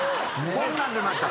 こんなん出ました。